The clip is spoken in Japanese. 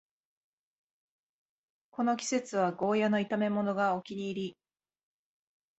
この季節はゴーヤの炒めものがお気に入り